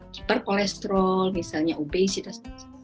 keper kolesterol misalnya obesitas